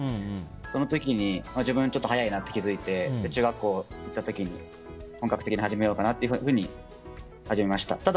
その時に自分ちょっと速いなって気づいて中学校、行った時に本格的に始めようかなというふうに始めました。